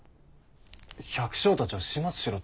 百姓たちを始末しろと？